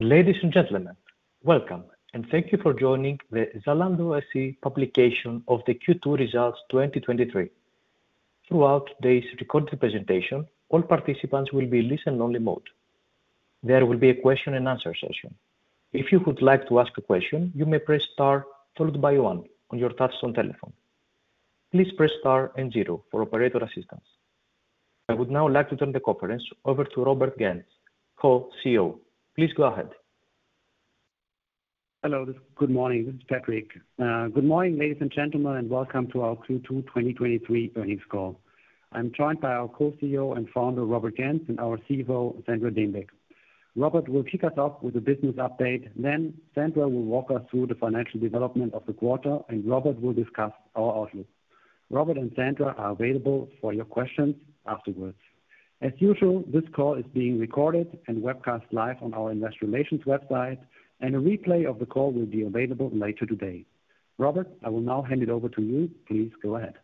Ladies and gentlemen, welcome, and thank you for joining the Zalando SE publication of the Q2 2023 results. Throughout this recorded presentation, all participants will be in listen-only mode. There will be a question and answer session. If you would like to ask a question, you may press star followed by one on your touch-tone telephone. Please press star and zero for operator assistance. I would now like to turn the conference over to Robert Gentz, Co-CEO. Please go ahead. Hello, good morning. This is Patrick. Good morning, ladies and gentlemen, and welcome to our Q2 2023 earnings call. I'm joined by our Co-CEO and founder, Robert Gentz, and our CFO, Sandra Dembeck. Robert will kick us off with a business update, then Sandra will walk us through the financial development of the quarter, and Robert will discuss our outlook. Robert and Sandra are available for your questions afterwards. As usual, this call is being recorded and webcast live on our investor relations website, and a replay of the call will be available later today. Robert, I will now hand it over to you. Please go ahead.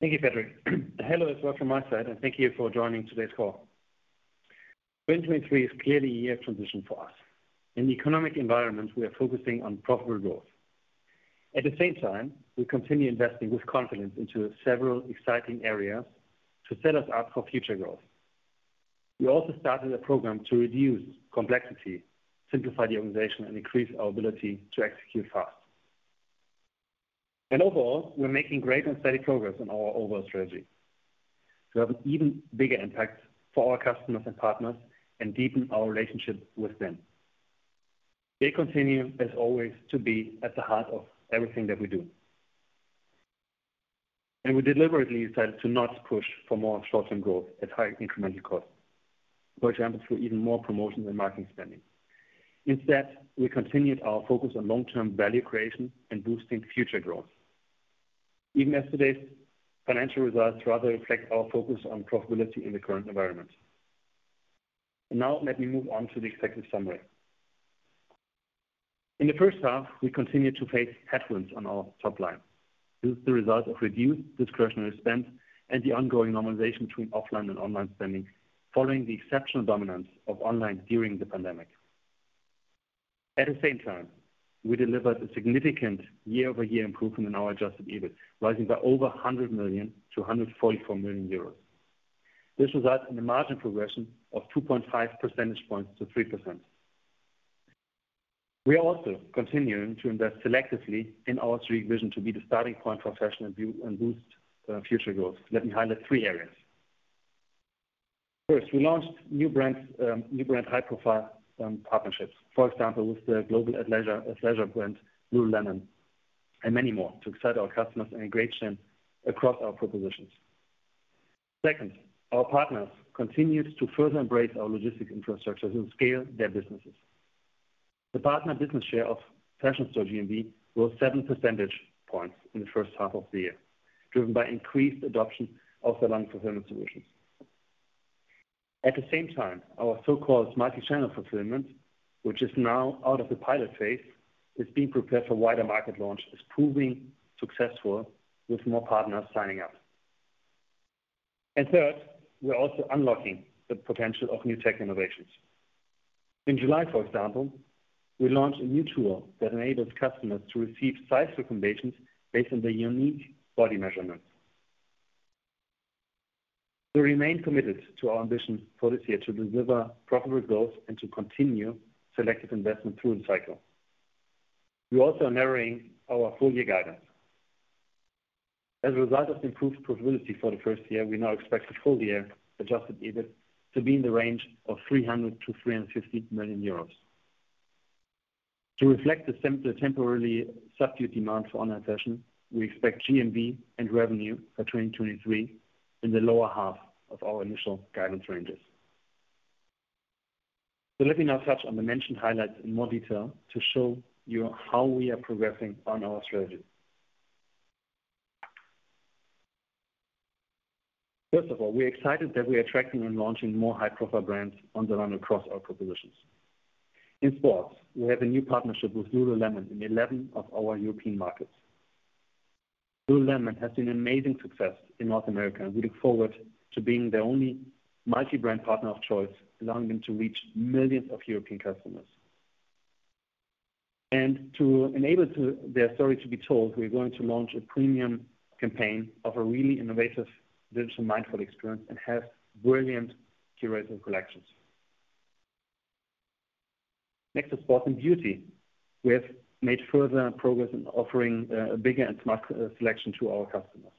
Thank you, Patrick. Hello, as well, from my side, and thank you for joining today's call. 2023 is clearly a year of transition for us. In the economic environment, we are focusing on profitable growth. At the same time, we continue investing with confidence into several exciting areas to set us up for future growth. We also started a program to reduce complexity, simplify the organization, and increase our ability to execute fast. Overall, we're making great and steady progress on our overall strategy to have an even bigger impact for our customers and partners and deepen our relationships with them. They continue, as always, to be at the heart of everything that we do. We deliberately decided to not push for more short-term growth at higher incremental costs. For example, through even more promotion and marketing spending. Instead, we continued our focus on long-term value creation and boosting future growth. Even as today's financial results rather reflect our focus on profitability in the current environment. Now, let me move on to the executive summary. In the first half, we continued to face headwinds on our top line. This is the result of reduced discretionary spend and the ongoing normalization between offline and online spending, following the exceptional dominance of online during the pandemic. At the same time, we delivered a significant year-over-year improvement in our adjusted EBIT, rising by over 100 million to 144 million euros. This results in a margin progression of 2.5 percentage points to 3%. We are also continuing to invest selectively in our strategy vision to be the Starting Point for fashion and boost future growth. Let me highlight three areas. First, we launched new brands, new brand high-profile partnerships. For example, with the global athleisure, athleisure brand, lululemon, and many more to excite our customers and engage them across our propositions. Second, our partners continued to further embrace our logistic infrastructure and scale their businesses. The partner business share of Fashion Store GMV grew 7 percentage points in the first half of the year, driven by increased adoption of the launch fulfillment solutions. At the same time, our so-called Multi-Channel Fulfillment, which is now out of the pilot phase, is being prepared for wider market launch, is proving successful with more partners signing up. Third, we are also unlocking the potential of new tech innovations. In July, for example, we launched a new tool that enables customers to receive size recommendations based on their unique body measurements. We remain committed to our ambition for this year to deliver profitable growth and to continue selective investment through the cycle. We also are narrowing our full year guidance. As a result of improved profitability for the first year, we now expect the full year adjusted EBIT to be in the range of 300 million-350 million euros. To reflect the temporarily subdued demand for online fashion, we expect GMV and revenue for 2023 in the lower half of our initial guidance ranges. Let me now touch on the mentioned highlights in more detail to show you how we are progressing on our strategy. First of all, we are excited that we are attracting and launching more high-profile brands on the line across our propositions. In sports, we have a new partnership with lululemon in 11 of our European markets. Lululemon has been an amazing success in North America, we look forward to being their only multi-brand partner of choice, allowing them to reach millions of European customers. To enable their story to be told, we're going to launch a premium campaign of a really innovative digital mindful experience and have brilliant curatorial collections. Next, to sports and beauty. We have made further progress in offering a bigger and smart selection to our customers.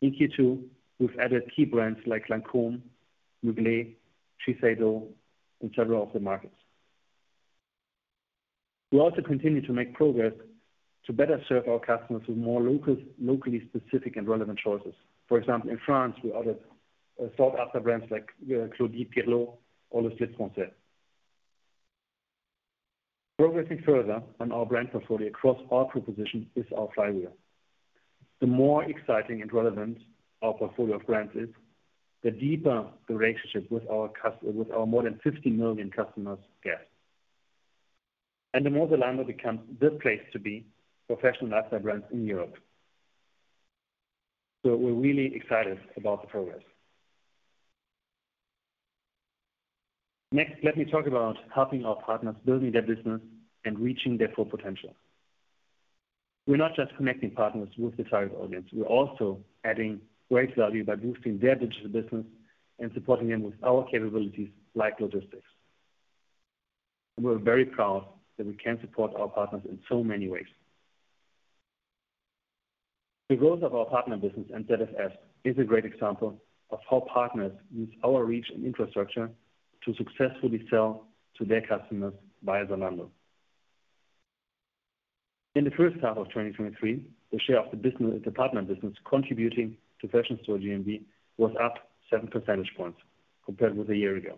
In Q2, we've added key brands like Lancôme, Mugler, Shiseido, in several of the markets. We also continue to make progress to better serve our customers with more local, locally specific and relevant choices. For example, in France, we added sought-after brands like Claudie Pierlot or Le Slip Français. Progressing further on our brand portfolio across all propositions is our flywheel. The more exciting and relevant our portfolio of brands is, the deeper the relationship with our more than 50 million customers get, and the more Zalando becomes this place to be for professional lifestyle brands in Europe. We're really excited about the progress. Next, let me talk about helping our partners building their business and reaching their full potential. We're not just connecting partners with the target audience, we're also adding great value by boosting their digital business and supporting them with our capabilities, like logistics. We're very proud that we can support our partners in so many ways. The growth of our partner business and ZFS is a great example of how partners use our reach and infrastructure to successfully sell to their customers via Zalando. In the first half of 2023, the share of the business, the partner business contributing to Fashion Store GMV was up 7 percentage points compared with a year ago.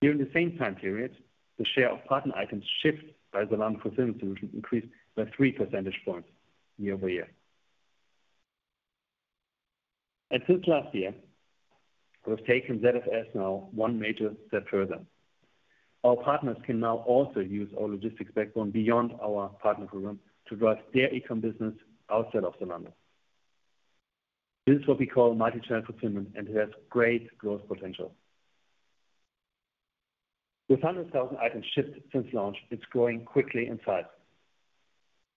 During the same time period, the share of partner items shipped by Zalando Fulfillment increased by 3 percentage points year-over-year. Since last year, we've taken ZFS now one major step further. Our partners can now also use our logistics backbone beyond our Partner Program to drive their e-com business outside of Zalando. This is what we call Multi-Channel Fulfillment, and it has great growth potential. With 100,000 items shipped since launch, it's growing quickly in size.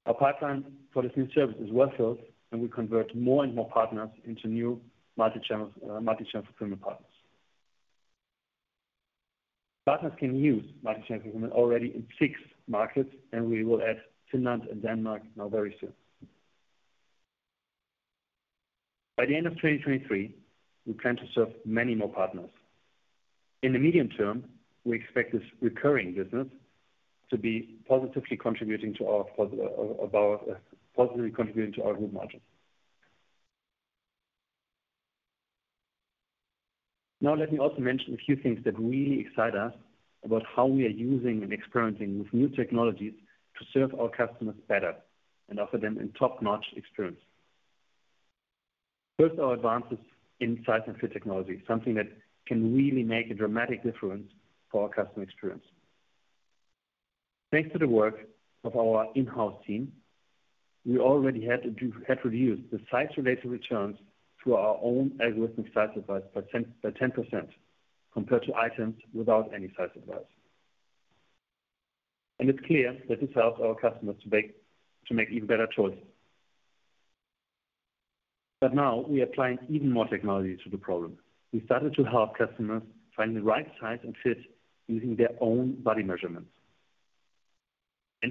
Our pipeline for this new service is well filled, and we convert more and more partners into new Multi-Channel Fulfillment partners. Partners can use Multi-Channel Fulfillment already in six markets, and we will add Finland and Denmark now very soon. By the end of 2023, we plan to serve many more partners. In the medium term, we expect this recurring business to be pos-- positively contributing to our group margin. Now, let me also mention a few things that really excite us about how we are using and experimenting with new technologies to serve our customers better and offer them a top-notch experience. First, our advances in size and fit technology, something that can really make a dramatic difference for our customer experience. Thanks to the work of our in-house team, we already have reduced the size-related returns through our own algorithmic size advice by 10%, compared to items without any size advice. It's clear that this helps our customers to make, to make even better choices. Now we are applying even more technology to the problem. We started to help customers find the right size and fit using their own body measurements.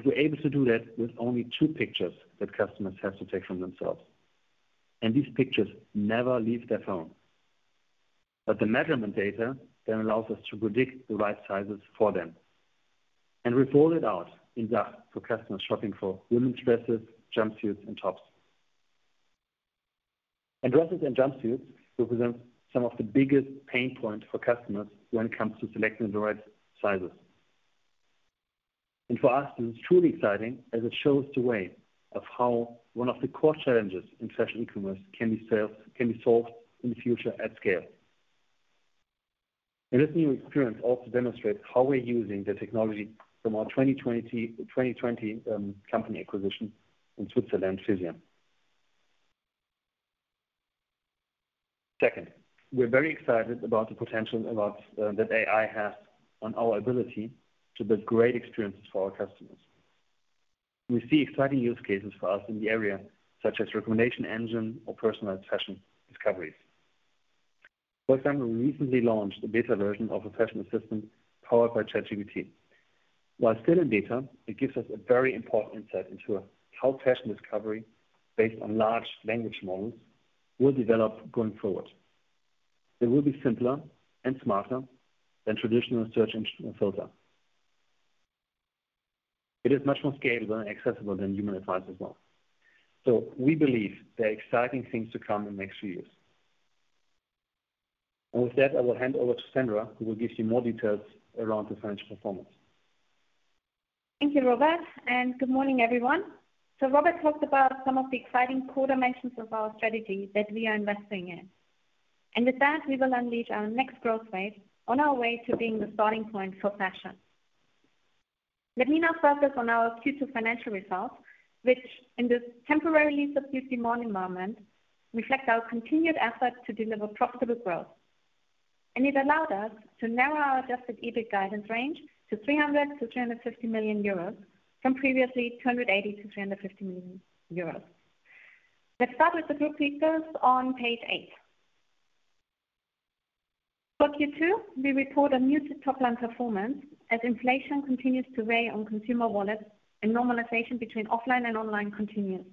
We're able to do that with only two pictures that customers have to take from themselves, and these pictures never leave their phone. The measurement data then allows us to predict the right sizes for them, and we roll it out in that for customers shopping for women's dresses, jumpsuits, and tops. Dresses and jumpsuits represent some of the biggest pain points for customers when it comes to selecting the right sizes. For us, this is truly exciting as it shows the way of how one of the core challenges in fashion e-commerce can be solved, can be solved in the future at scale. This new experience also demonstrates how we're using the technology from our 2020, 2020 company acquisition in Switzerland, Fision. Second, we're very excited about the potential that AI has on our ability to build great experiences for our customers. We see exciting use cases for us in the area, such as recommendation engine or personalized fashion discoveries. For example, we recently launched a beta version of a fashion assistant powered by ChatGPT. While still in beta, it gives us a very important insight into how fashion discovery, based on large language models, will develop going forward. It will be simpler and smarter than traditional search engine filter. It is much more scalable and accessible than human advice as well. We believe there are exciting things to come in the next few years. With that, I will hand over to Sandra, who will give you more details around the financial performance. Thank you, Robert, and good morning, everyone. Robert talked about some of the exciting core dimensions of our strategy that we are investing in. With that, we will unleash our next growth phase on our way to being the Starting Point for fashion. Let me now focus on our Q2 financial results, which in this temporarily subdued morning moment, reflect our continued effort to deliver profitable growth. It allowed us to narrow our adjusted EBIT guidance range to 300 million-350 million euros, from previously 280 million-350 million euros. Let's start with the group details on page 8. For Q2, we report a muted top-line performance as inflation continues to weigh on consumer wallets and normalization between offline and online continues.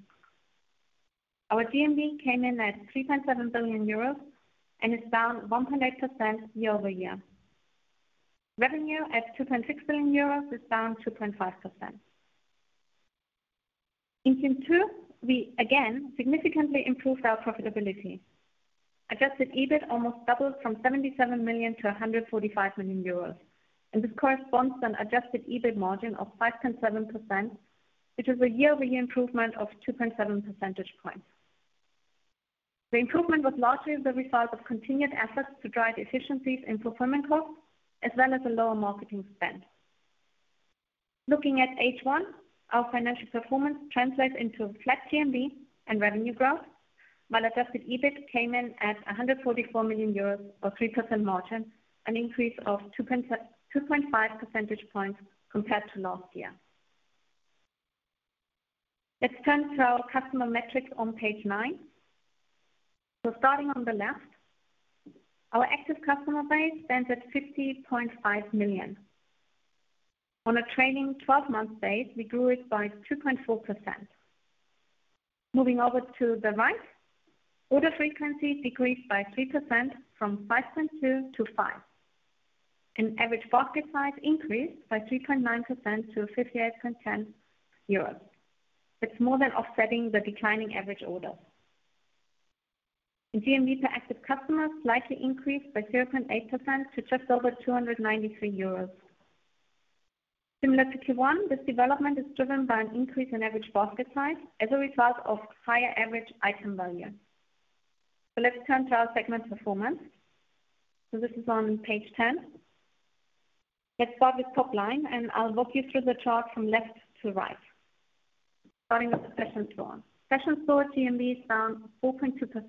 Our GMV came in at 3.7 billion euros, and it's down 1.8% year-over-year. Revenue at 2.6 billion euros is down 2.5%. In Q2, we again significantly improved our profitability. Adjusted EBIT almost doubled from 77 million to 145 million euros, and this corresponds to an adjusted EBIT margin of 5.7%, which is a year-over-year improvement of 2.7 percentage points. The improvement was largely as a result of continued efforts to drive efficiencies in fulfillment costs, as well as a lower marketing spend. Looking at H1, our financial performance translates into flat TMB and revenue growth, while adjusted EBIT came in at 144 million euros, or 3% margin, an increase of 2.5 percentage points compared to last year. Let's turn to our customer metrics on page 9. Starting on the left, our active customer base stands at 50.5 million. On a trailing 12-month base, we grew it by 2.4%. Moving over to the right, order frequency decreased by 3% from 5.2 to 5.0, and average basket size increased by 3.9% to 58.10 euros. It's more than offsetting the declining average order. GMV per active customer slightly increased by 0.8% to just over 293 euros. Similar to Q1, this development is driven by an increase in average basket size as a result of higher average item value. Let's turn to our segment performance. This is on page 10. Let's start with top line. I'll walk you through the chart from left to right, starting with the Fashion Store. Fashion Store GMV is down 4.2%,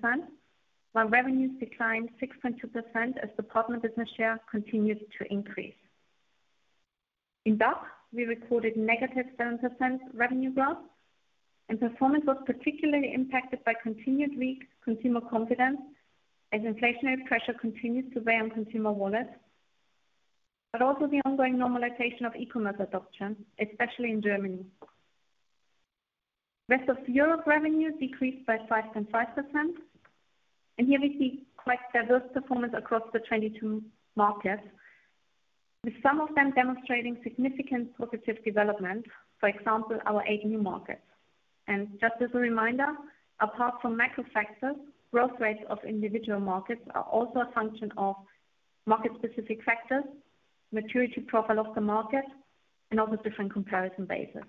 while revenues declined 6.2% as the partner business share continued to increase. In DACH, we recorded negative 7% revenue growth, performance was particularly impacted by continued weak consumer confidence as inflationary pressure continues to weigh on consumer wallets, but also the ongoing normalization of e-commerce adoption, especially in Germany. Rest of Europe revenue decreased by 5.5%, here we see quite diverse performance across the 22 markets, with some of them demonstrating significant positive development, for example, our AGU markets. Just as a reminder, apart from macro factors, growth rates of individual markets are also a function of market-specific factors, maturity profile of the market, and also different comparison bases.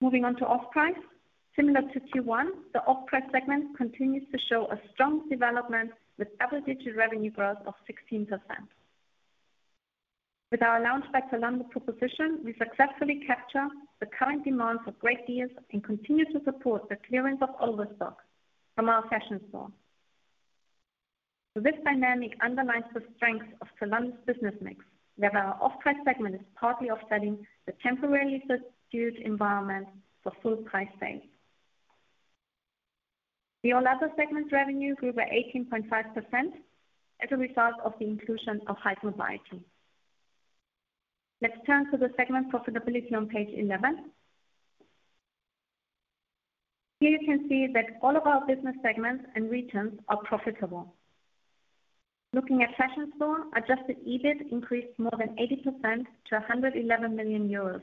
Moving on to Off Price, similar to Q1, the Off Price segment continues to show a strong development with double-digit revenue growth of 16%. With our Lounge by Zalando proposition, we successfully capture the current demand for great deals and continue to support the clearance of overstock from our Fashion Store. This dynamic underlines the strength of Zalando's business mix, where our Off Price segment is partly offsetting the temporarily subdued environment for full price space. The All Other segments revenue grew by 18.5% as a result of the inclusion of Highsnobiety. Let's turn to the segment profitability on page 11. Here you can see that all of our business segments and regions are profitable. Looking at Fashion Store, adjusted EBIT increased more than 80% to 111 million euros,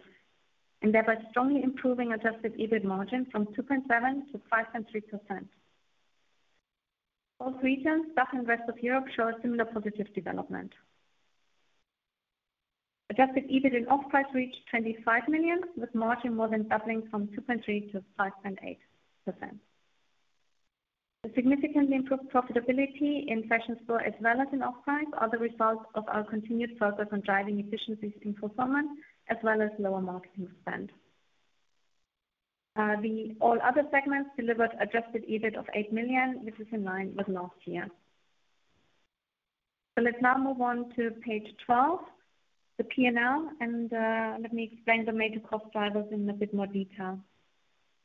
and thereby strongly improving adjusted EBIT margin from 2.7% to 5.3%. Both regions, DACH and Rest of Europe, show a similar positive development. Adjusted EBIT in Off Price reached 25 million, with margin more than doubling from 2.3% to 5.8%. The significantly improved profitability in Fashion Store as well as in Off Price are the result of our continued focus on driving efficiencies in fulfillment, as well as lower marketing spend. The All Other segments delivered adjusted EBIT of 8 million, which is in line with last year. Let's now move on to page 12, the P&L, and let me explain the major cost drivers in a bit more detail.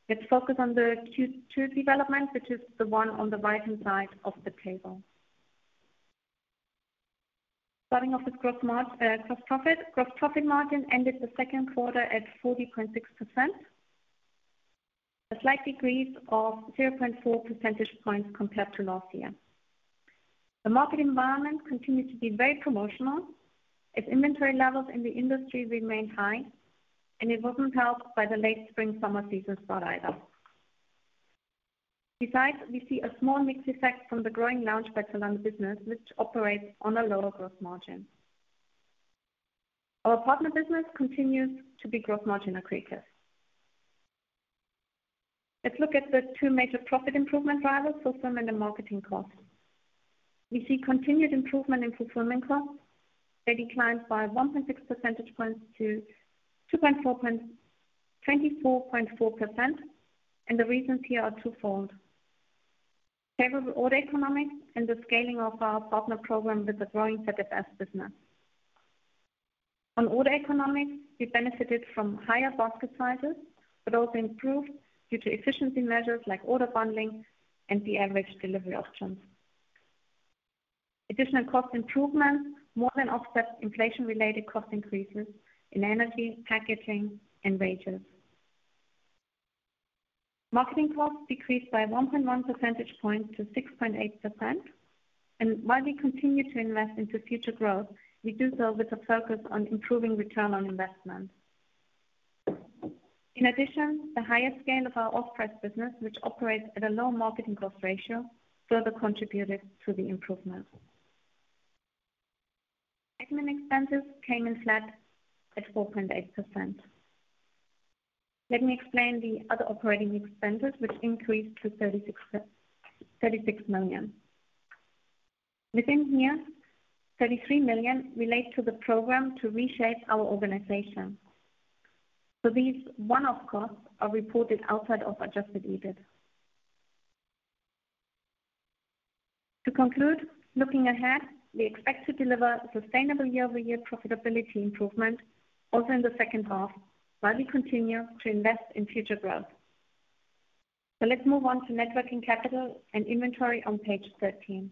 Let's focus on the Q2 development, which is the one on the right-hand side of the table. Starting off with gross profit. Gross profit margin ended the second quarter at 40.6%, a slight decrease of 0.4 percentage points compared to last year. The market environment continued to be very promotional, as inventory levels in the industry remained high, and it wasn't helped by the late spring, summer season start either. Besides, we see a small mix effect from the growing Lounge by Zalando business, which operates on a lower gross margin. Our partner business continues to be gross margin accretive. Let's look at the two major profit improvement drivers, fulfillment and marketing costs. We see continued improvement in fulfillment costs. They declined by 1.6 percentage points to 24.4%. The reasons here are twofold: favorable order economics and the scaling of our partner program with the growing ZFS business. On order economics, we benefited from higher basket sizes, also improved due to efficiency measures like order bundling and the average delivery options. Additional cost improvements more than offset inflation-related cost increases in energy, packaging, and wages. Marketing costs decreased by 1.1 percentage points to 6.8%. While we continue to invest into future growth, we do so with a focus on improving return on investment. In addition, the higher scale of our Off Price business, which operates at a low marketing cost ratio, further contributed to the improvement. Admin expenses came in flat at 4.8%. Let me explain the other operating expenses, which increased to 36 million. Within here, 33 million relates to the program to reshape our organization. These one-off costs are reported outside of adjusted EBIT. To conclude, looking ahead, we expect to deliver sustainable year-over-year profitability improvement also in the second half, while we continue to invest in future growth. Let's move on to networking capital and inventory on page 13.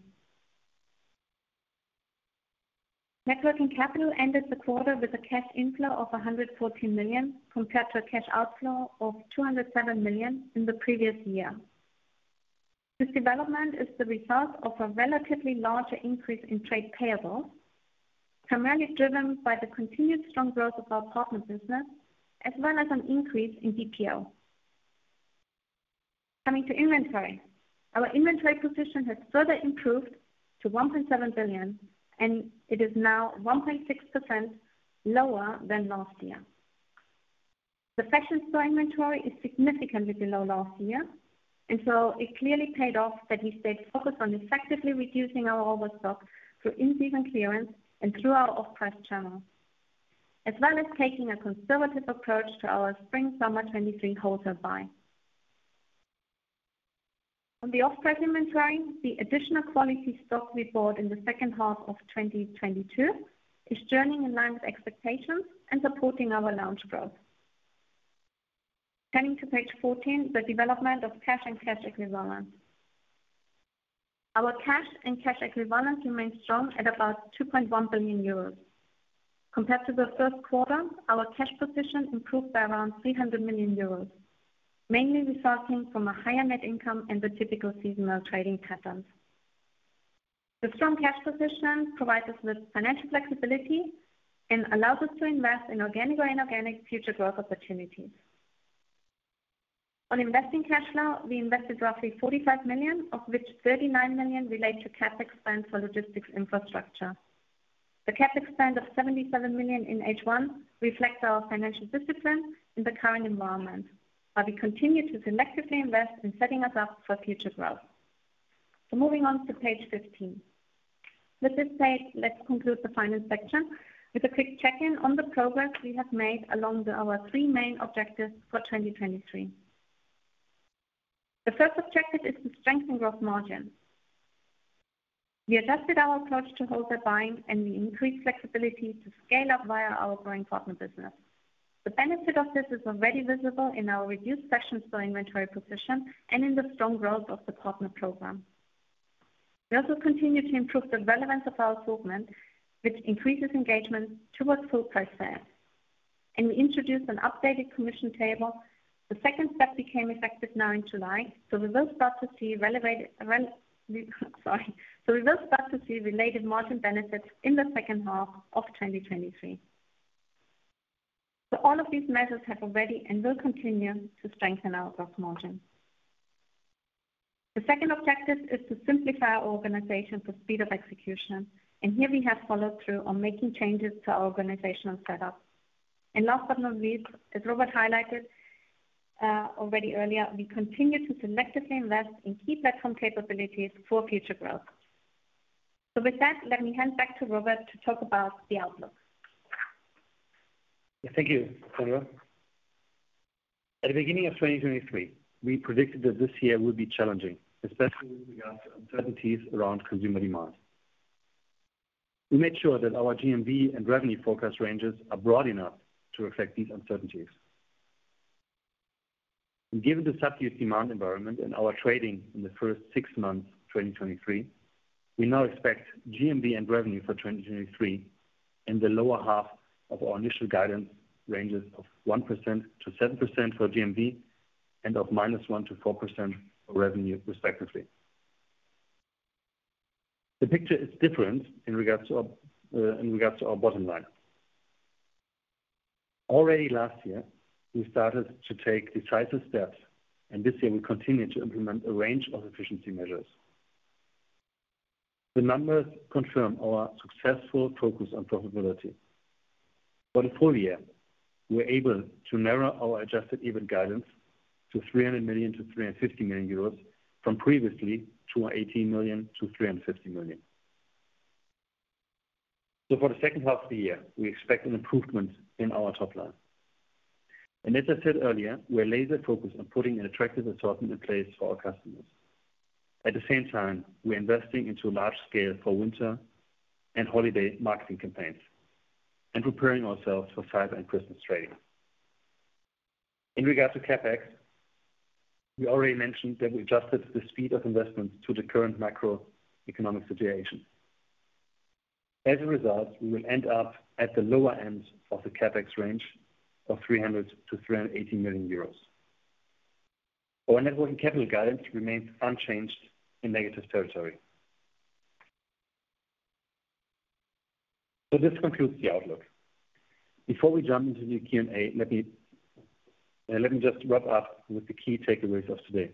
Networking capital ended the quarter with a cash inflow of 114 million, compared to a cash outflow of 207 million in the previous year. This development is the result of a relatively larger increase in trade payables, primarily driven by the continued strong growth of our partner business, as well as an increase in DPO. Coming to inventory. Our inventory position has further improved to 1.7 billion, and it is now 1.6% lower than last year. The Fashion Store inventory is significantly below last year, and so it clearly paid off that we stayed focused on effectively reducing our overstock through in-season clearance and through our Off Price channels, as well as taking a conservative approach to our spring/summer 2023 wholesale buy. On the Off Price inventory, the additional quality stock we bought in the second half of 2022 is journeying in line with expectations and supporting our Lounge growth. Turning to page 14, the development of cash and cash equivalents. Our cash and cash equivalents remain strong at about 2.1 billion euros. Compared to the first quarter, our cash position improved by around 300 million euros, mainly resulting from a higher net income and the typical seasonal trading patterns. The strong cash position provides us with financial flexibility and allows us to invest in organic or inorganic future growth opportunities. On investing cash flow, we invested roughly 45 million, of which 39 million relate to CapEx spend for logistics infrastructure. The CapEx spend of 77 million in H1 reflects our financial discipline in the current environment, while we continue to selectively invest in setting us up for future growth. Moving on to page 15. With this said, let's conclude the finance section with a quick check-in on the progress we have made along our three main objectives for 2023. The first objective is to strengthen growth margin. We adjusted our approach to wholesale buying, and we increased flexibility to scale up via our growing partner business. The benefit of this is already visible in our reduced Fashion Store inventory position and in the strong growth of the partner program. We also continue to improve the relevance of our assortment, which increases engagement towards full price sales. We introduced an updated commission table. The second step became effective now in July, so we will start to see sorry. We will start to see related margin benefits in the second half of 2023. All of these measures have already and will continue to strengthen our growth margin. The second objective is to simplify our organization for speed of execution, and here we have followed through on making changes to our organizational setup. Last but not least, as Robert highlighted, already earlier, we continue to selectively invest in key platform capabilities for future growth. With that, let me hand back to Robert to talk about the outlook. Thank you, Sandra. At the beginning of 2023, we predicted that this year would be challenging, especially with regards to uncertainties around consumer demand. We made sure that our GMV and revenue forecast ranges are broad enough to reflect these uncertainties. Given the subdued demand environment and our trading in the first six months of 2023, we now expect GMV and revenue for 2023 in the lower half of our initial guidance ranges of 1%-7% for GMV and of -1%-4% for revenue, respectively. The picture is different in regards to our in regards to our bottom line. Already last year, we started to take decisive steps, and this year we continued to implement a range of efficiency measures. The numbers confirm our successful focus on profitability. For the full year, we are able to narrow our adjusted EBIT guidance to 300 million-350 million euros, from previously 218 million-350 million. For the second half of the year, we expect an improvement in our top line. As I said earlier, we are laser focused on putting an attractive assortment in place for our customers. At the same time, we are investing into large scale for winter and holiday marketing campaigns and preparing ourselves for cyber and Christmas trading. In regard to CapEx, we already mentioned that we adjusted the speed of investment to the current macroeconomic situation. As a result, we will end up at the lower end of the CapEx range of 300 million-380 million euros. Our networking capital guidance remains unchanged in negative territory. This concludes the outlook. Before we jump into the Q&A, let me, let me just wrap up with the key takeaways of today.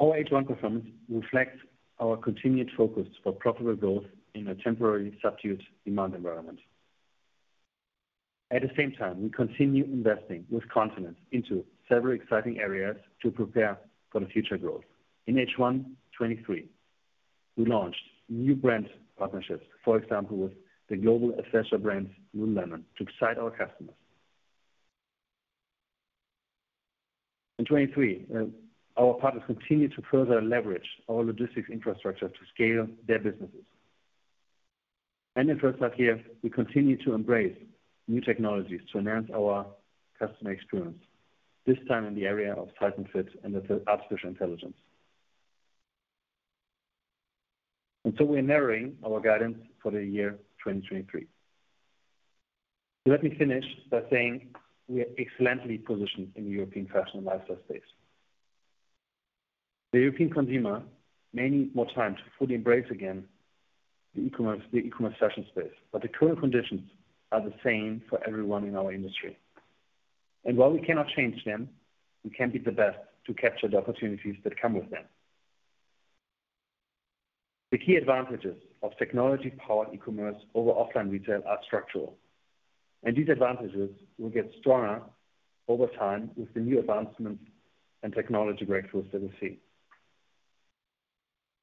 Our H1 performance reflects our continued focus for profitable growth in a temporarily subdued demand environment. At the same time, we continue investing with confidence into several exciting areas to prepare for the future growth. In H1 2023, we launched new brand partnerships, for example, with the global accessory brand, lululemon, to excite our customers. In 2023, our partners continued to further leverage our logistics infrastructure to scale their businesses. In first half year, we continue to embrace new technologies to enhance our customer experience, this time in the area of size and fit and the artificial intelligence. We're narrowing our guidance for the year 2023. Let me finish by saying we are excellently positioned in the European fashion and lifestyle space. The European consumer may need more time to fully embrace again the e-commerce, the e-commerce fashion space. The current conditions are the same for everyone in our industry. While we cannot change them, we can be the best to capture the opportunities that come with them. The key advantages of technology-powered e-commerce over offline retail are structural, and these advantages will get stronger over time with the new advancements and technology breakthroughs that we see.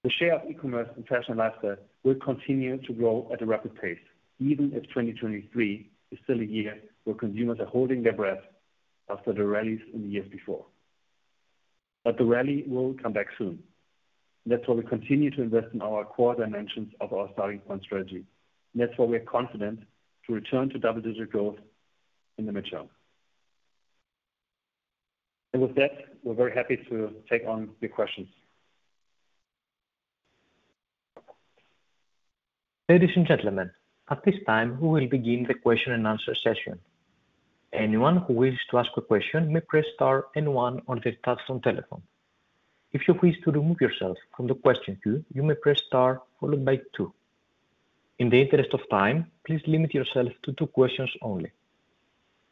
The share of e-commerce and fashion lifestyle will continue to grow at a rapid pace, even if 2023 is still a year where consumers are holding their breath after the rallies in the years before. The rally will come back soon. That's why we continue to invest in our core dimensions of our Starting Point strategy. That's why we are confident to return to double-digit growth in the mid-term. With that, we're very happy to take on your questions. Ladies and gentlemen, at this time, we will begin the question and answer session. Anyone who wishes to ask a question may press star and one on their touch-tone telephone. If you wish to remove yourself from the question queue, you may press star followed by two. In the interest of time, please limit yourself to two questions only.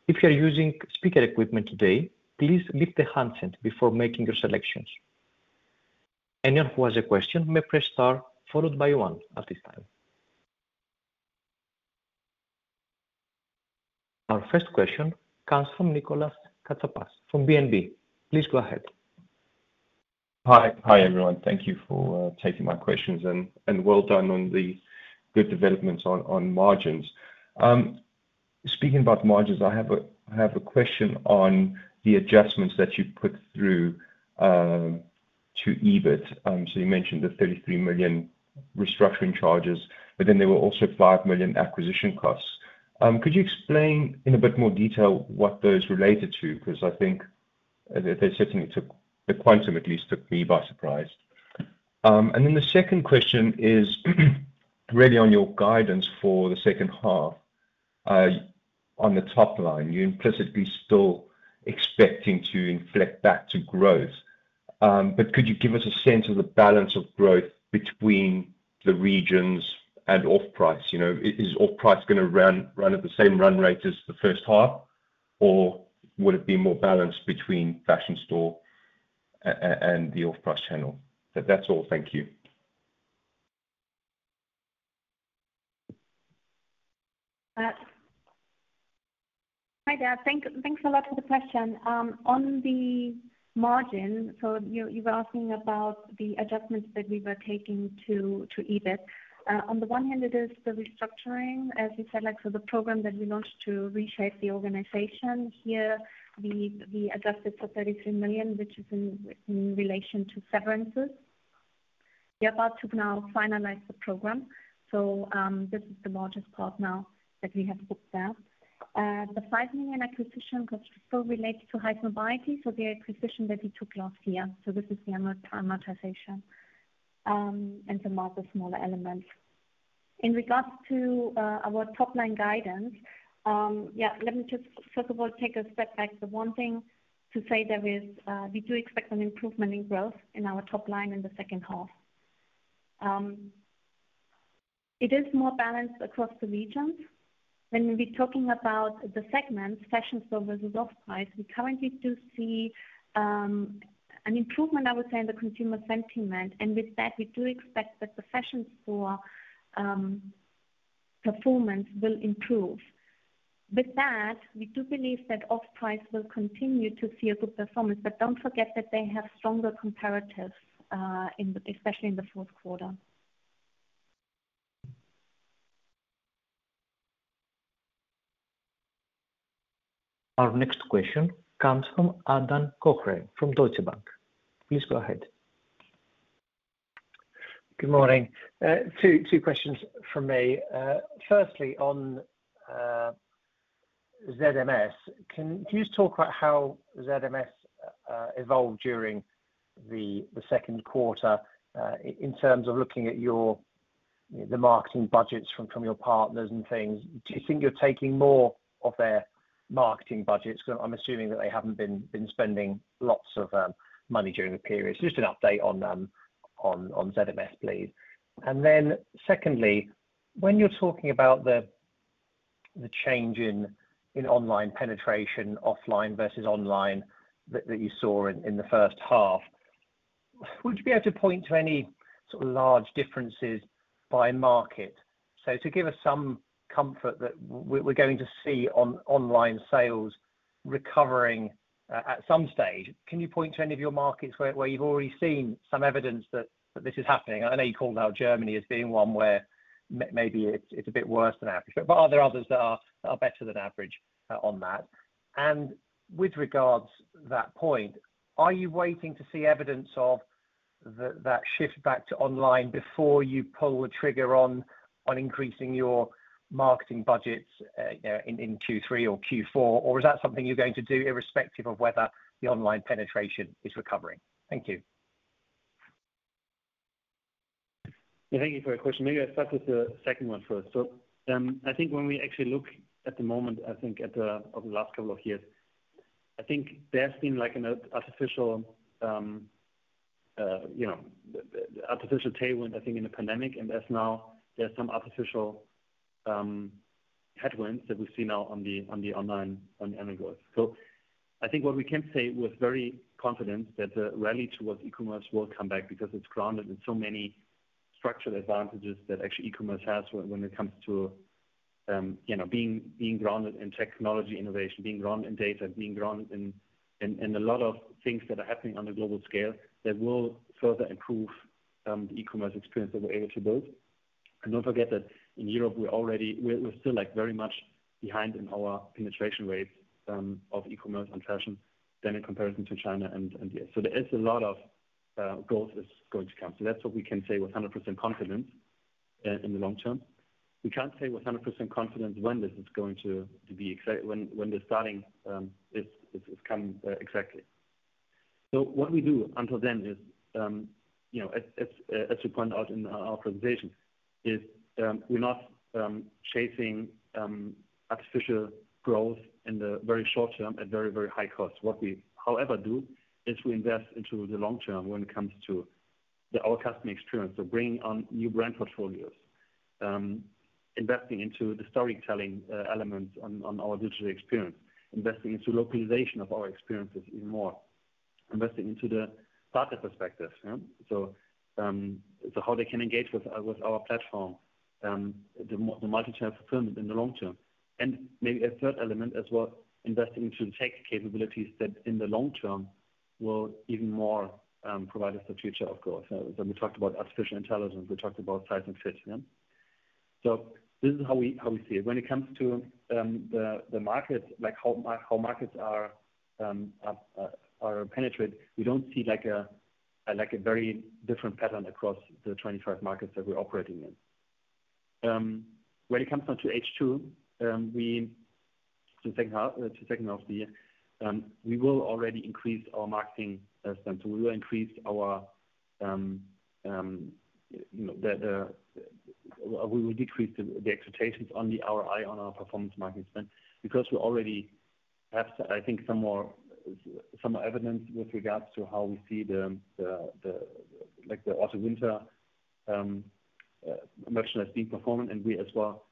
If you're using speaker equipment today, please leave the handset before making your selections. Anyone who has a question may press star followed by three at this time. Our first question comes from Nicolas Katsapas from BNP. Please go ahead. Hi. Hi, everyone. Thank you for taking my questions, and well done on the good developments on margins. Speaking about margins, I have a question on the adjustments that you put through to EBIT. You mentioned the 33 million restructuring charges, but then there were also 5 million acquisition costs. Could you explain in a bit more detail what those related to? Because I think they certainly took the quantum at least took me by surprise. The second question is, really on your guidance for the second half. On the top line, you're implicitly still expecting to inflect back to growth. Could you give us a sense of the balance of growth between the regions and Off Price? You know, is off-price gonna run, run at the same run rate as the first half, or would it be more balanced between Fashion Store, and the off-price channel? That's all. Thank you. Hi there. Thank, thanks a lot for the question. On the margin, you, you were asking about the adjustments that we were taking to, to EBIT. On the one hand, it is the restructuring, as you said, like, the program that we launched to reshape the organization. Here, we, we adjusted for 33 million, which is in, in relation to severances. We are about to now finalize the program, this is the largest part now that we have put there. The 5 million acquisition cost still relates to Highsnobiety, the acquisition that we took last year, this is the amortization, and some other smaller elements. In regards to our top-line guidance, let me just first of all, take a step back. The one thing to say there is, we do expect an improvement in growth in our top line in the second half. It is more balanced across the regions. When we're talking about the segments, Fashion Store versus Off Price, we currently do see, an improvement, I would say, in the consumer sentiment, and with that, we do expect that the Fashion Store, performance will improve. With that, we do believe that Off Price will continue to see a good performance, but don't forget that they have stronger comparatives, especially in the fourth quarter. Our next question comes from Adam Cochrane from Deutsche Bank. Please go ahead. Good morning. Two, two questions from me. Firstly, on ZMS, can you just talk about how ZMS evolved during the second quarter, in terms of looking at your, the marketing budgets from your partners and things? Do you think you're taking more of their marketing budgets? I'm assuming that they haven't been spending lots of money during the period. Just an update on ZMS, please. Secondly, when you're talking about the change in, in online penetration, offline versus online, that, that you saw in, in the first half. Would you be able to point to any sort of large differences by market? So to give us some comfort that we're going to see online sales recovering at some stage, can you point to any of your markets where, where you've already seen some evidence that, that this is happening? I know you called out Germany as being one where maybe it's, it's a bit worse than average, but are there others that are, are better than average on that? And with regards to that point, are you waiting to see evidence of the, that shift back to online before you pull the trigger on, on increasing your marketing budgets, you know, in, in Q3 or Q4? Is that something you're going to do irrespective of whether the online penetration is recovering? Thank you. Yeah, thank you for your question. Maybe I'll start with the second one first. I think when we actually look at the moment, I think at the, of the last couple of years, I think there's been like an artificial, you know, the, the artificial tailwind, I think, in the pandemic. As now, there's some artificial headwinds that we see now on the, on the online, on the onwards. I think what we can say with very confidence that the rally towards e-commerce will come back because it's grounded in so many structural advantages that actually e-commerce has when, when it comes to, you know, being, being grounded in technology innovation, being grounded in data, being grounded in, in, in a lot of things that are happening on a global scale that will further improve the e-commerce experience that we're able to build. Don't forget that in Europe, we're already. We're, we're still, like, very much behind in our penetration rates of e-commerce and fashion than in comparison to China and the U.S. There is a lot of growth is going to come. That's what we can say with 100% confidence in the long term. We can't say with 100% confidence when this is going to be exact, when the starting is coming exactly. What we do until then is, you know, as you pointed out in our presentation, is we're not chasing artificial growth in the very short term at very, very high cost. What we, however, do is we invest into the long term when it comes to our customer experience. Bringing on new brand portfolios, investing into the storytelling elements on our digital experience, investing into localization of our experiences even more, investing into the partner perspective, yeah? How they can engage with our platform, the Multi-Channel Fulfillment in the long term. Maybe a third element as well, investing into tech capabilities that in the long term will even more, provide us the future of growth. When we talked about artificial intelligence, we talked about size and fit, yeah? This is how we, how we see it. When it comes to the market, like how markets are, are, are penetrate, we don't see like a very different pattern across the 25 markets that we're operating in. When it comes down to H2, The second half, the second half of the year, we will already increase our marketing spend. We will increase our, you know, the, the, we will decrease the, the expectations on the ROI on our performance marketing spend, because we already have, I think, some more, some more evidence with regards to how we see the, the, the, like the automn/winter merchandise being performed. We as well,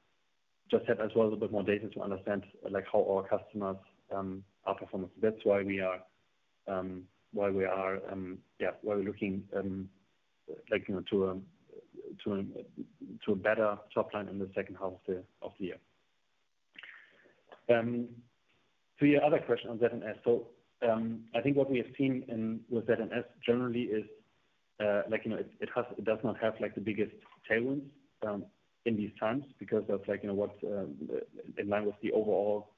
just have as well a bit more data to understand, like, how our customers are performing. That's why we are, why we're looking, like, you know, to a, to, to a better top line in the second half of the year. To your other question on ZMS. I think what we have seen in, with ZMS generally is, like, you know, it, it has, it does not have like the biggest tailwinds in these times. Because of like, you know, what, in line with the overall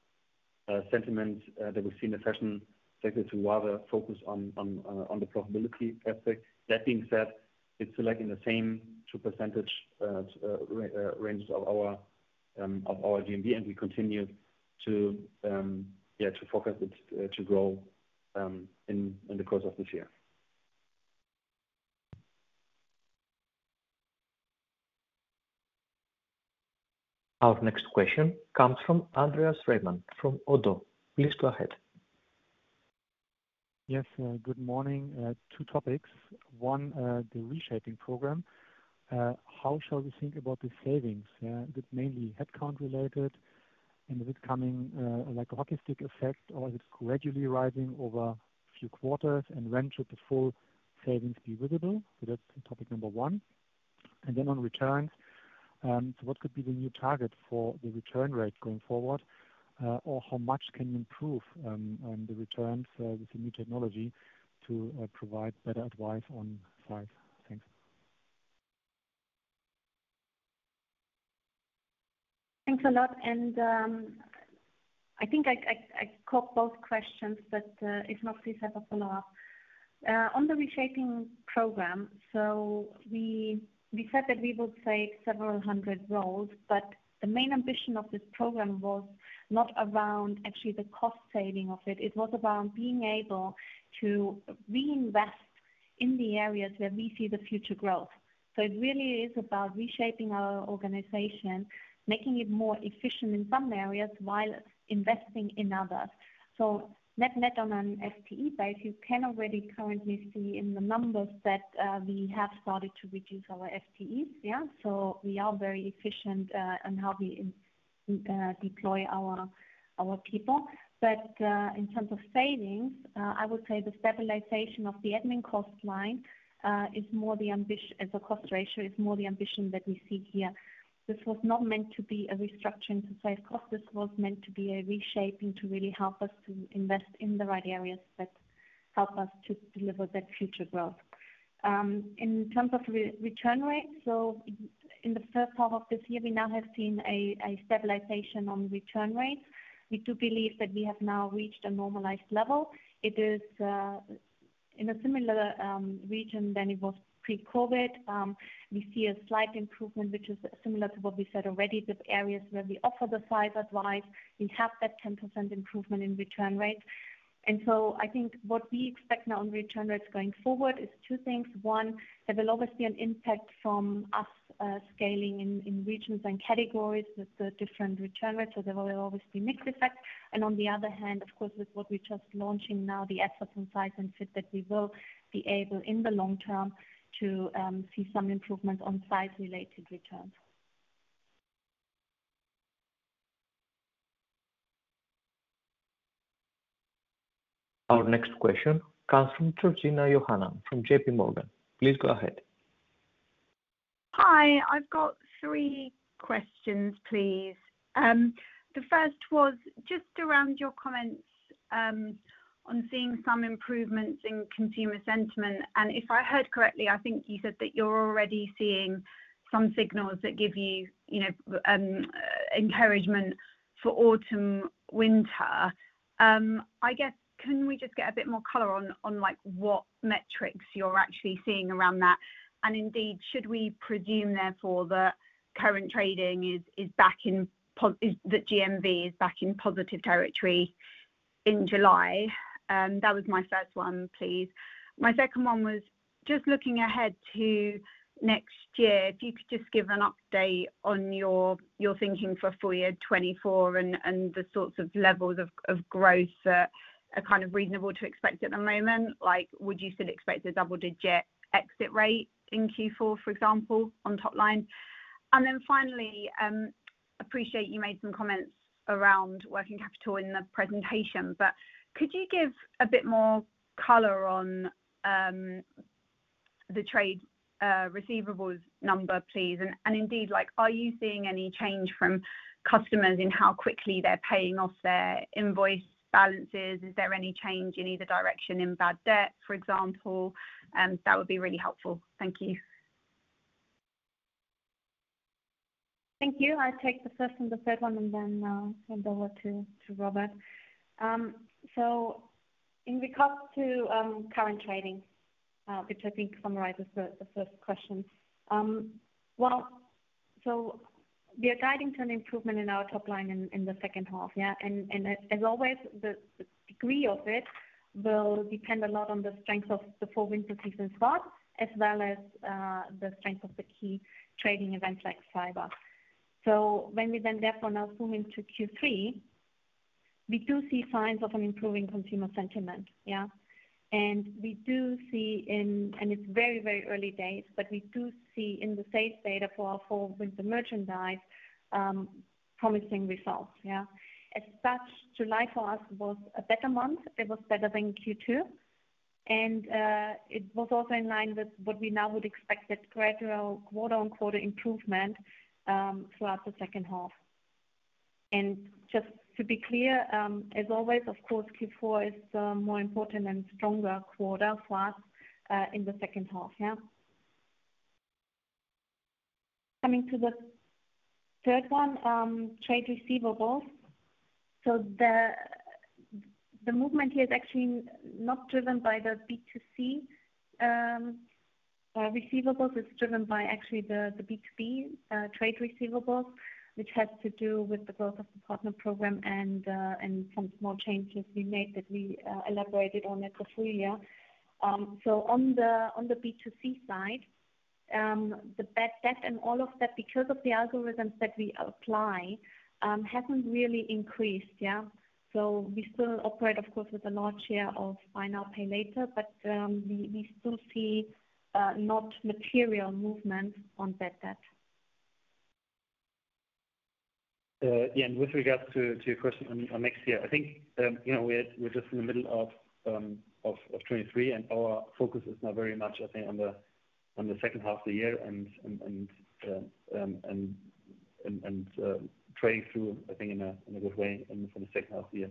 sentiment that we've seen in the fashion sector to rather focus on, on the profitability aspect. That being said, it's still like in the same 2% ra- ranges of our of our GMV, and we continue to, yeah, to focus it to grow in, in the course of this year. Our next question comes from Andreas Riemann from ODDO. Please go ahead. Yes, good morning. Two topics. One, the reshaping program. How shall we think about the savings? Is it mainly headcount related, and is it coming like a hockey stick effect, or is it gradually rising over a few quarters? When should the full savings be visible? That's topic number one. Then on returns, what could be the new target for the return rate going forward? Or how much can you improve on the returns with the new technology to provide better advice on five? Thanks. Thanks a lot. I think I, I, I caught both questions, but if not, please have a follow-up. On the reshaping program, we said that we would save several hundred roles, but the main ambition of this program was not around actually the cost saving of it. It was about being able to reinvest in the areas where we see the future growth. It really is about reshaping our organization, making it more efficient in some areas, while investing in others. Net, net on an FTE base, you can already currently see in the numbers that we have started to reduce our FTEs. We are very efficient on how we deploy our, our people. In terms of savings, I would say the stabilization of the admin cost line is more the ambition as a cost ratio, is more the ambition that we see here. This was not meant to be a restructuring to save costs. This was meant to be a reshaping to really help us to invest in the right areas that help us to deliver that future growth. In terms of return rates, so in the first half of this year, we now have seen a, a stabilization on return rates. We do believe that we have now reached a normalized level. It is in a similar region than it was pre-COVID. We see a slight improvement, which is similar to what we said already, with areas where we offer the size advice, we have that 10% improvement in return rate. I think what we expect now on return rates going forward is two things. One, there will always be an impact from us, scaling in, in regions and categories with the different return rates, so there will always be mixed effects. On the other hand, of course, with what we're just launching now, the efforts on size and fit, that we will be able, in the long term, to see some improvements on size-related returns. Our next question comes from Georgina Johanan from J.P. Morgan. Please go ahead. Hi, I've got three questions, please. The first was just around your comments on seeing some improvements in consumer sentiment, and if I heard correctly, I think you said that you're already seeing some signals that give you, you know, encouragement for autumn/winter. I guess, can we just get a bit more color on, like, what metrics you're actually seeing around that? Indeed, should we presume, therefore, that current trading is, is back in That GMV is back in positive territory in July? That was my first one, please. My second one was just looking ahead to next year, if you could just give an update on your, your thinking for full year 2024 and the sorts of levels of, of growth that are kind of reasonable to expect at the moment. Like, would you still expect a double-digit exit rate in Q4, for example, on top line? Then finally, appreciate you made some comments around working capital in the presentation, but could you give a bit more color on the trade receivables number, please? Indeed, like, are you seeing any change from customers in how quickly they're paying off their invoice balances? Is there any change in either direction in bad debt, for example? That would be really helpful. Thank you. Thank you. I take the first and the third one, and then hand over to Robert. In regards to current trading, which I think summarizes the first question. Well, we are guiding to an improvement in our top line in the second half, yeah? As always, the degree of it will depend a lot on the strength of the full winter season spot, as well as the strength of the key trading events like Cyber. When we then therefore now zoom into Q3, we do see signs of an improving consumer sentiment, yeah? We do see it's very, very early days, but we do see in the sales data for our fall with the merchandise promising results, yeah? As such, July for us was a better month. It was better than Q2, and it was also in line with what we now would expect, that gradual quarter-on-quarter improvement throughout the second half. Just to be clear, as always, of course, Q4 is the more important and stronger quarter for us in the second half, yeah? Coming to the third one, trade receivables. The movement here is actually not driven by the B2C receivables, it's driven by actually the B2B trade receivables, which has to do with the growth of the partner program and some small changes we made that we elaborated on at the full year. On the B2C side, the bad debt and all of that, because of the algorithms that we apply, hasn't really increased, yeah? We still operate, of course, with a large share of Buy Now, Pay Later, but, we, we still see, not material movement on bad debt. yeah, and with regards to, to your question on, on next year, I think, you know, we're, we're just in the middle of, of, of 2023, and our focus is now very much, I think, on the, on the second half of the year and, and, and, and, and, trading through, I think in a, in a good way and for the second half of the year.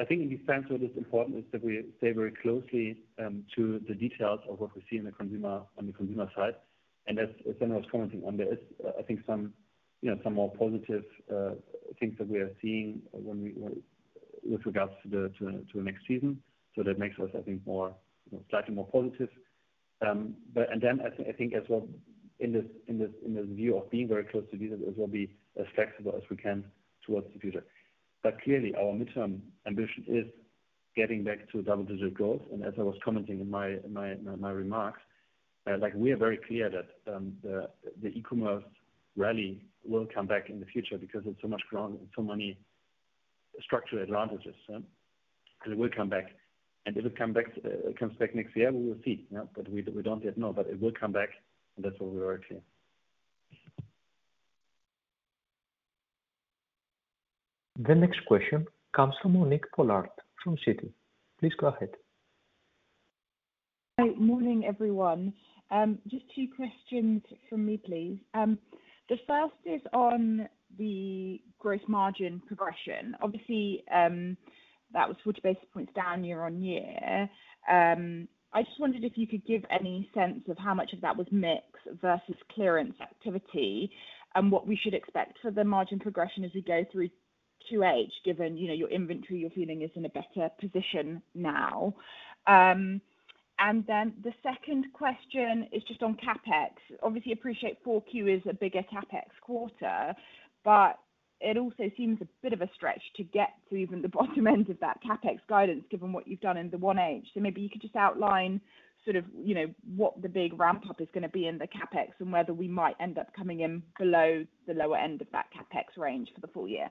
I think in defense what is important is that we stay very closely, to the details of what we see in the consumer, on the consumer side. As, as Sandra was commenting on, there is, I think some, you know, some more positive, things that we are seeing when we, with regards to the, to, to the next season. That makes us, I think, more, slightly more positive. And then as I think as well in this, in this, in this view of being very close to this, as well be as flexible as we can towards the future. Clearly, our midterm ambition is getting back to double-digit growth. As I was commenting in my, in my, my remarks, like, we are very clear that the, the e-commerce rally will come back in the future because it's so much grown and so many structural advantages, yeah? It will come back, and it will come back, it comes back next year, we will see, yeah. We, we don't yet know, but it will come back, and that's what we are working. The next question comes from Monique Pollard from Citi. Please go ahead. Hi, morning, everyone. Just two questions from me, please. The first is on the gross margin progression. Obviously, that was 40 basis points down year-on-year. I just wondered if you could give any sense of how much of that was mix versus clearance activity, and what we should expect for the margin progression as we go through 2 H, given, you know, your inventory, you're feeling is in a better position now. The second question is just on CapEx. Obviously, appreciate 4 Q is a bigger CapEx quarter, but it also seems a bit of a stretch to get to even the bottom end of that CapEx guidance, given what you've done in the 1 H. Maybe you could just outline sort of, you know, what the big ramp-up is gonna be in the CapEx, and whether we might end up coming in below the lower end of that CapEx range for the full year.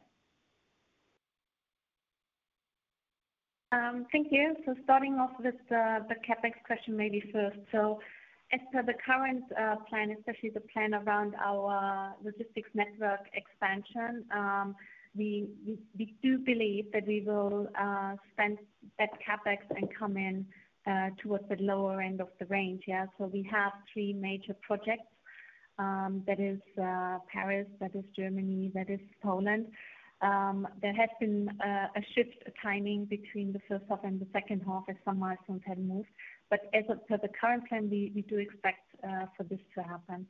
Thank you. Starting off with the CapEx question, maybe first. As per the current plan, especially the plan around our logistics network expansion, we do believe that we will spend that CapEx and come in towards the lower end of the range. Yeah. We have three major projects. That is Paris, that is Germany, that is Poland. There has been a shift timing between the first half and the second half as some milestones have moved. As per the current plan, we do expect for this to happen.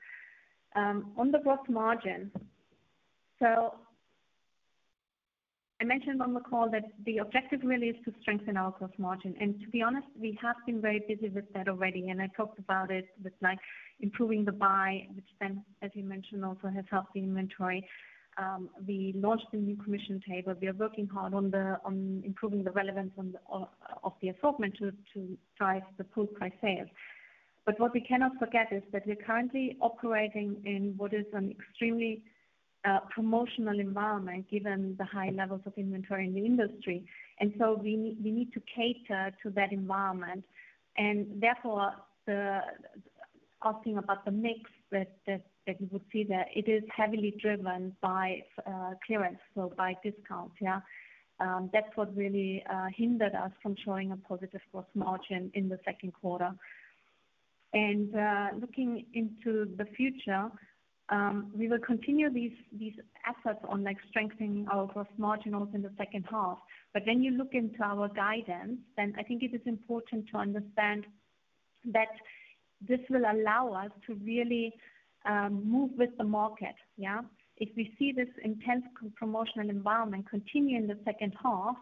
On the gross margin, I mentioned on the call that the objective really is to strengthen our gross margin, and to be honest, we have been very busy with that already, and I talked about it with like improving the buy, which then, as you mentioned, also has helped the inventory. We launched a new commission table. We are working hard on improving the relevance of the assortment to drive the full price sales. What we cannot forget is that we're currently operating in what is an extremely promotional environment, given the high levels of inventory in the industry, and so we, we need to cater to that environment. Therefore, the asking about the mix, that you would see that it is heavily driven by clearance, so by discounts, yeah. That's what really hindered us from showing a positive gross margin in the second quarter. Looking into the future, we will continue these, these efforts on, like, strengthening our gross margin also in the second half. When you look into our guidance, then I think it is important to understand that this will allow us to really move with the market. If we see this intense promotional environment continue in the second half,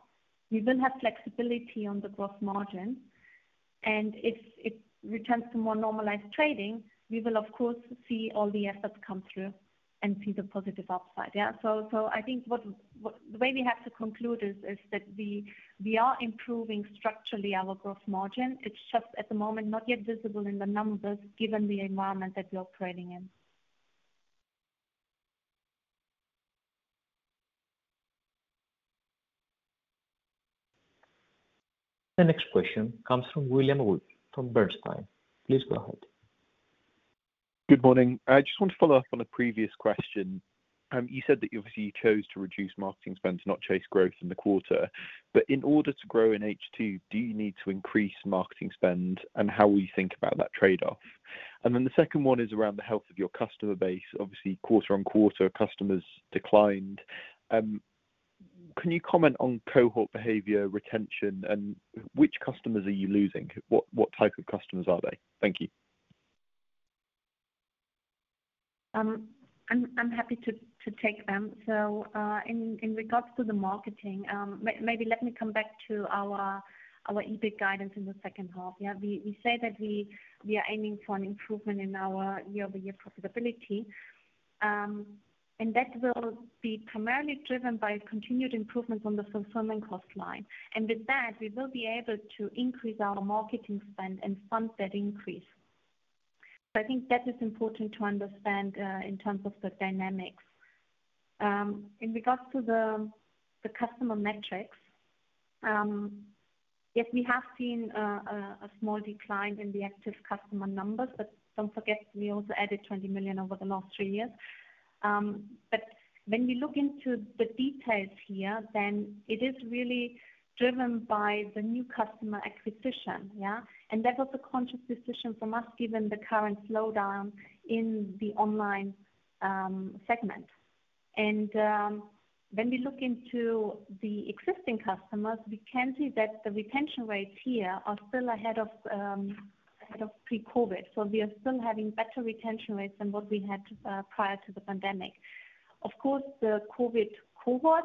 we will have flexibility on the gross margin, and if it returns to more normalized trading, we will of course, see all the efforts come through and see the positive upside. The way we have to conclude is, is that we, we are improving structurally our gross margin. It's just at the moment, not yet visible in the numbers, given the environment that we're operating in. The next question comes from William Wood, from Bernstein. Please go ahead. Good morning. I just want to follow up on a previous question. You said that obviously you chose to reduce marketing spend, to not chase growth in the quarter. In order to grow in H2, do you need to increase marketing spend? How will you think about that trade-off? The second one is around the health of your customer base. Obviously, quarter on quarter, customers declined. Can you comment on cohort behavior, retention, and which customers are you losing? What, what type of customers are they? Thank you. I'm, I'm happy to, to take them. In, in regards to the marketing, may, maybe let me come back to our, our EBIT guidance in the second half. Yeah. We, we say that we, we are aiming for an improvement in our year-over-year profitability, and that will be primarily driven by continued improvements on the fulfillment cost line. With that, we will be able to increase our marketing spend and fund that increase. I think that is important to understand, in terms of the dynamics. In regards to the, the customer metrics, yes, we have seen, a small decline in the active customer numbers, but don't forget, we also added 20 million over the last three years. When we look into the details here, then it is really driven by the new customer acquisition. Yeah? That was a conscious decision from us, given the current slowdown in the online segment. When we look into the existing customers, we can see that the retention rates here are still ahead of ahead of pre-COVID, so we are still having better retention rates than what we had prior to the pandemic. Of course, the COVID cohort,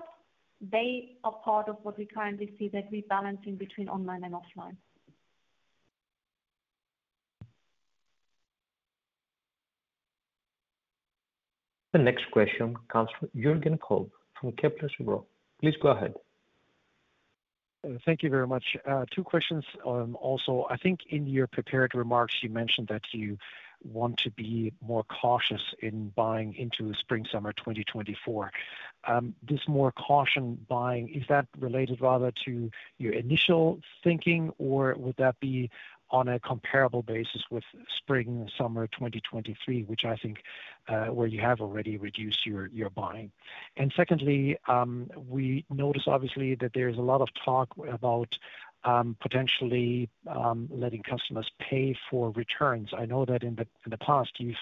they are part of what we currently see, that rebalancing between online and offline. The next question comes from Jürgen Kolb, from Kepler Cheuvreux. Please go ahead. Thank you very much. Two questions. Also, I think in your prepared remarks, you mentioned that you want to be more cautious in buying into spring/summer 2024. This more caution buying, is that related rather to your initial thinking, or would that be on a comparable basis with spring/summer 2023, which I think, where you have already reduced your, your buying? Secondly, we notice obviously, that there's a lot of talk about, potentially, letting customers pay for returns. I know that in the, in the past, you've,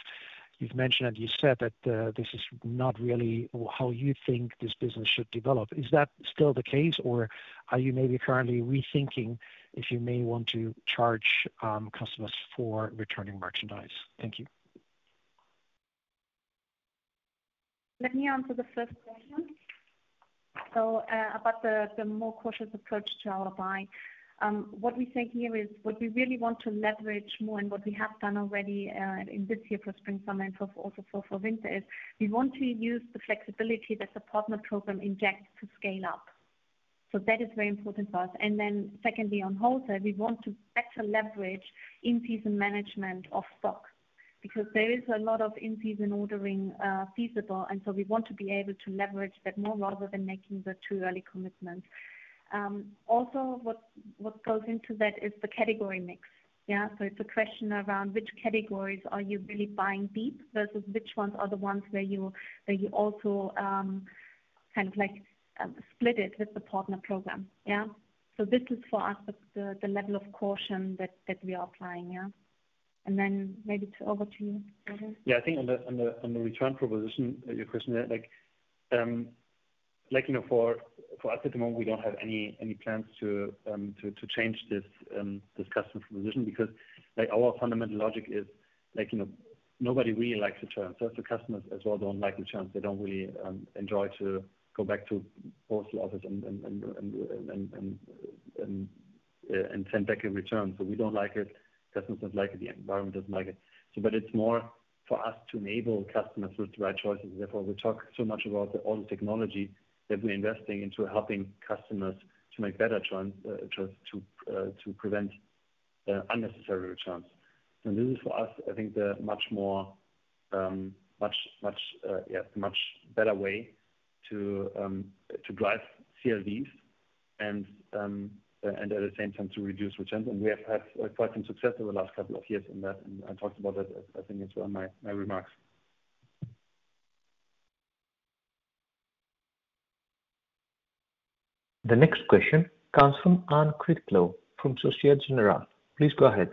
you've mentioned and you said that, this is not really how you think this business should develop. Is that still the case, or are you maybe currently rethinking if you may want to charge, customers for returning merchandise? Thank you. Let me answer the first question. About the, the more cautious approach to our buying. What we think here is, what we really want to leverage more and what we have done already in this year for spring/summer and for, also for, for winter, is we want to use the flexibility that the Partner Program injects to scale up. That is very important for us. Secondly, on wholesale, we want to better leverage in-season management of stock, because there is a lot of in-season ordering feasible, we want to be able to leverage that more rather than making the too early commitments. Also, what, what goes into that is the category mix. Yeah? It's a question around which categories are you really buying deep versus which ones are the ones where you, where you also, kind of like, split it with the partner program. Yeah? This is for us, the, the, the level of caution that, that we are applying, yeah. Then maybe to over to you, Robert Gentz. Yeah, I think on the, on the, on the return proposition, your question there, like, like, you know, for, for us at the moment, we don't have any, any plans to, to, to change this, this customer position because, like, our fundamental logic is like, you know, nobody really likes returns. The customers as well don't like returns. They don't really enjoy to go back to postal office and send back and return. We don't like it, customers don't like it, the environment doesn't like it. It's more for us to enable customers to the right choices. Therefore, we talk so much about all the technology that we're investing into helping customers to make better to prevent unnecessary returns. This is for us, I think, the much more, much, much, yeah, much better way to drive CLVs and at the same time, to reduce returns. We have had quite some success over the last couple of years in that, and I talked about that, I think it's on my, my remarks. The next question comes from Anne Critchlow from Société Générale. Please go ahead.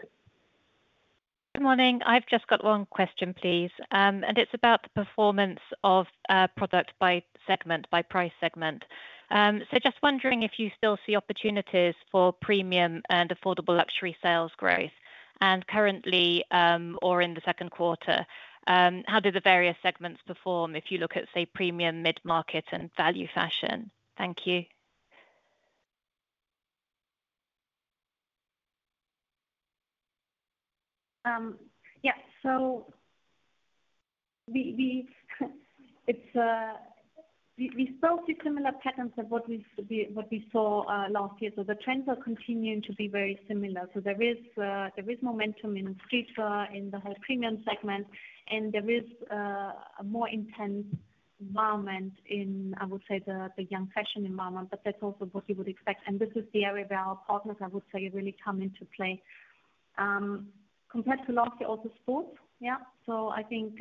Good morning. I've just got one question, please. It's about the performance of product by segment, by price segment. Just wondering if you still see opportunities for premium and affordable luxury sales growth. Currently, or in the second quarter, how do the various segments perform if you look at, say, premium, mid-market, and value fashion? Thank you. Yeah. We, we it's, we, we saw two similar patterns of what we, we, what we saw last year. The trends are continuing to be very similar. There is, there is momentum in streetwear, in the whole premium segment, and there is a more intense environment in, I would say, the, the young fashion environment, but that's also what you would expect. This is the area where our partners, I would say, really come into play. Compared to last year, also sports, yeah. I think,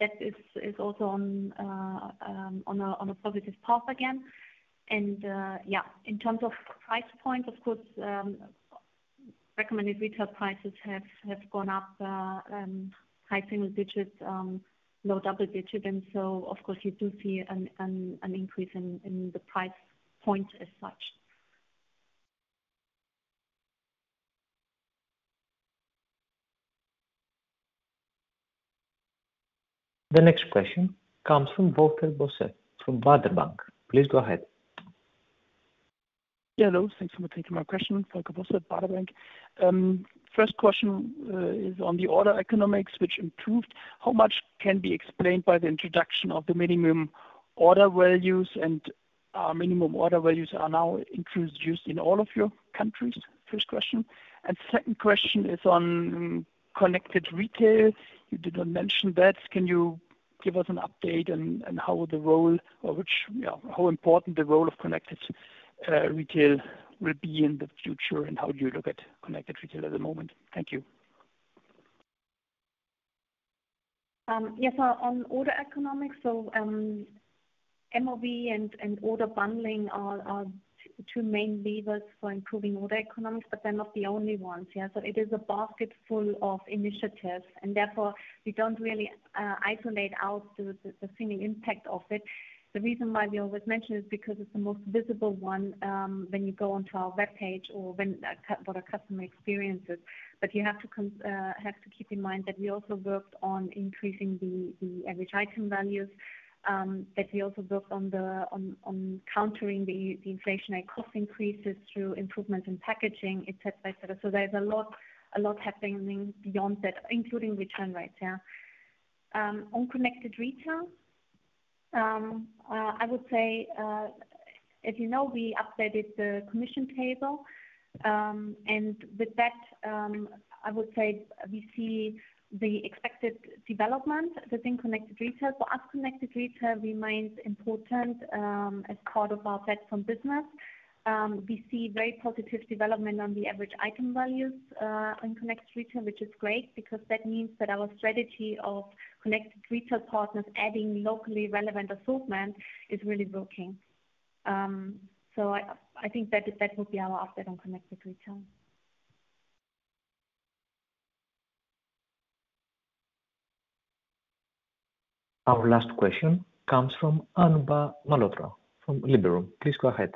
that is, is also on, on a, on a positive path again. Yeah, in terms of price point, of course, recommended retail prices have, have gone up, high single digits, low double digits. So of course, you do see an, an, an increase in, in the price point as such. The next question comes from Volker Bosse from Baader Bank. Please go ahead. Yeah, hello, thanks for taking my question. Volker Bosse, Baader Bank. First question is on the order economics, which improved. How much can be explained by the introduction of the minimum order values? Minimum order values are now introduced in all of your countries? First question. Second question is on Connected Retail. You did not mention that. Can you give us an update on how the role or which how important the role of Connected Retail will be in the future, and how do you look at Connected Retail at the moment? Thank you. Yes, on order economics, MOV and order bundling are two main levers for improving order economics, but they're not the only ones. Yeah. It is a basket full of initiatives, and therefore, we don't really isolate out the single impact of it. The reason why we always mention it is because it's the most visible one, when you go onto our webpage or when a customer experiences. You have to keep in mind that we also worked on increasing the average item values, that we also worked on countering the inflationary cost increases through improvements in packaging, et cetera, et cetera. There's a lot, a lot happening beyond that, including return rates, yeah. On Connected Retail?... I would say, as you know, we updated the commission table. With that, I would say we see the expected development within Connected Retail. For us, Connected Retail remains important, as part of our platform business. We see very positive development on the average item values on Connected Retail, which is great, because that means that our strategy of Connected Retail partners adding locally relevant assortment is really working. I, I think that, that will be our update on Connected Retail. Our last question comes from Anubhav Malhotra from Liberum. Please go ahead.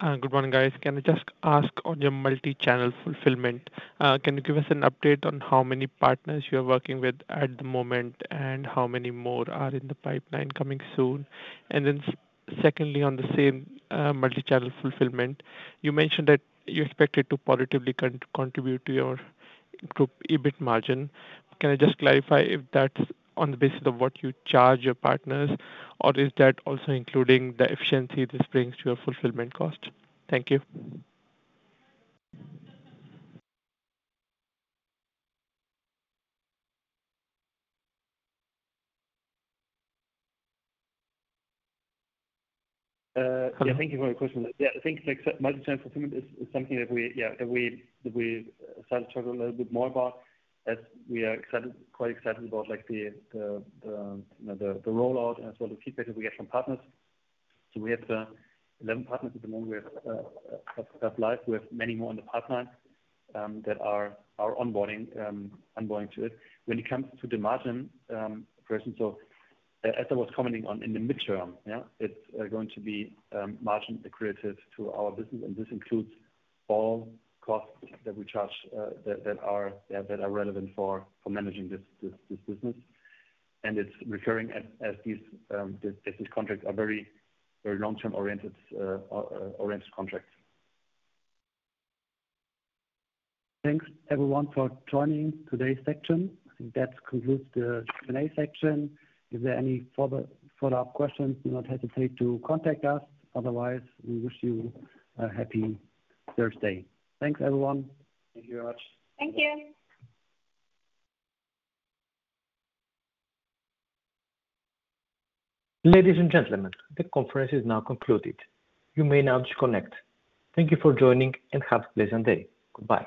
Good morning, guys. Can I just ask on your Multi-Channel Fulfillment, can you give us an update on how many partners you are working with at the moment, and how many more are in the pipeline coming soon? Secondly, on the same, Multi-Channel Fulfillment, you mentioned that you expect it to positively contribute to your group EBIT margin. Can I just clarify if that's on the basis of what you charge your partners, or is that also including the efficiency this brings to your fulfillment cost? Thank you. Yeah, thank you for your question. Yeah, I think, like, Multi-Channel Fulfillment is, is something that we, yeah, that we, we started to talk a little bit more about as we are excited, quite excited about, like, the, the, the, you know, the rollout and as well the feedback that we get from partners. We have 11 partners at the moment. We have live with many more in the pipeline that are onboarding onboarding to it. When it comes to the margin person, as I was commenting on in the midterm, yeah, it's going to be margin accretive to our business, and this includes all costs that we charge that that are that are relevant for for managing this this this business. It's referring as, as these, these contracts are very, very long-term oriented, oriented contracts. Thanks, everyone, for joining today's session. I think that concludes the Q&A session. If there are any further follow-up questions, do not hesitate to contact us. Otherwise, we wish you a happy Thursday. Thanks, everyone. Thank you very much. Thank you. Ladies and gentlemen, the conference is now concluded. You may now disconnect. Thank you for joining, and have a pleasant day. Goodbye.